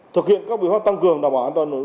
thực hiện các biến pháp tăng cường đảm bảo an toàn